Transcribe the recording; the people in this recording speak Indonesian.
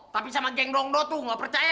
tapi sama geng dongdo tuh gak percaya